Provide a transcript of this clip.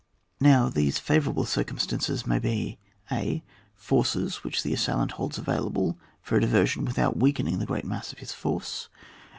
Now these favourable circumstances may be :— a. Forces which the assailant holds available for a diversion without weak ening the great mass of his force.